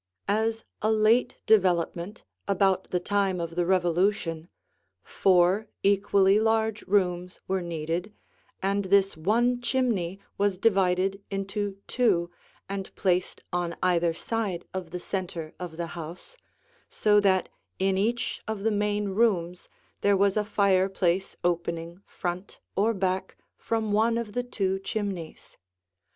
As a late development, about the time of the Revolution, four equally large rooms were needed, and this one chimney was divided into two and placed on either side of the center of the house, so that in each of the main rooms there was a fireplace opening front or back from one of the two chimneys.